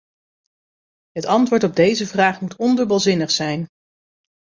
Het antwoord op deze vraag moet ondubbelzinnig zijn!